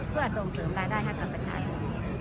เพื่อส่งเสริมรายได้ให้กับประชาชน